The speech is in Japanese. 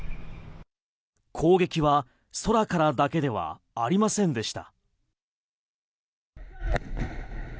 攻撃は空からだけではありませんでした。